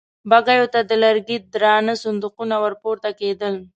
بګيو ته د لرګي درانه صندوقونه ور پورته کېدل.